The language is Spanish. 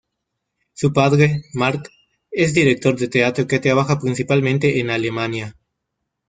Su padre, Mark, es director de teatro que trabaja principalmente en Alemania.